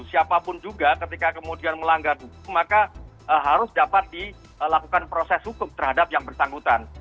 siapapun juga ketika kemudian melanggar hukum maka harus dapat dilakukan proses hukum terhadap yang bersangkutan